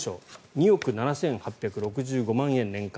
２億７８６５万円、年間。